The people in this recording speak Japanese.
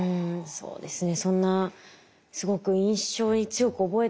そうですね。